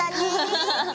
アハハハ。